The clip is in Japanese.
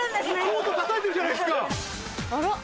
コート叩いてるじゃないですか。